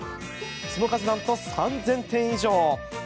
その数、なんと３０００点以上。